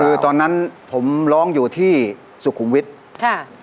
คือตอนนั้นผมร้องอยู่ที่สุขุมวิทย์ค่ะ